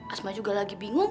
asmatnya juga lagi bingung